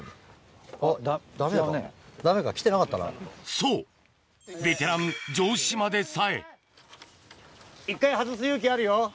そうベテラン城島でさえ１回外す勇気あるよ。